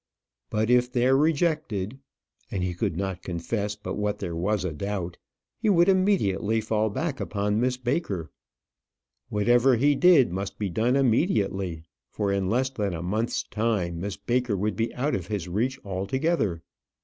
But if there rejected and he could not confess but what there was a doubt he would immediately fall back upon Miss Baker. Whatever he did must be done immediately, for in less than a month's time, Miss Baker would be out of his reach altogether.